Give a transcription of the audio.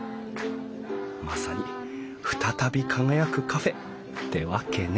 まさに「ふたたび輝くカフェ」ってわけね！